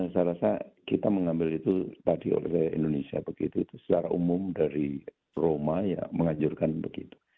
saya rasa kita mengambil itu tadi oleh indonesia begitu itu secara umum dari roma ya mengajurkan begitu